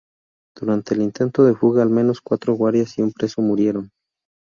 Durante el intento de fuga al menos cuatro guardias y un preso murieron.